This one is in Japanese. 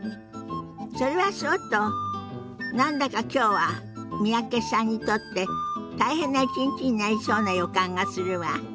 それはそうと何だかきょうは三宅さんにとって大変な一日になりそうな予感がするわ。